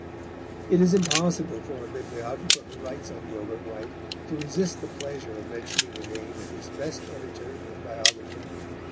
It is impossible for a bibliographer who writes on Gilbert White to resist the pleasure of mentioning the name of his best editor and biographer.